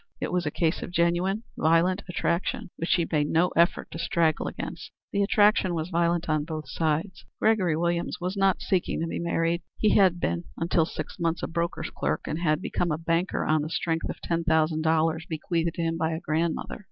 It was a case of genuine, violent attraction, which she made no effort to straggle against. The attraction was violent on both sides. Gregory Williams was not seeking to be married. He had been, until within six months, a broker's clerk, and had become a banker on the strength of ten thousand dollars bequeathed to him by a grandmother.